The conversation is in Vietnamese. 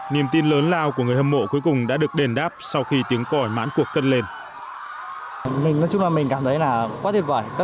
niềm tin lớn lao của người hâm mộ cuối cùng đã được đền đáp sau khi tiếng còi mãn cuộc cất lên